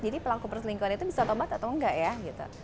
jadi pelaku perselingkuhan itu bisa tobat atau tidak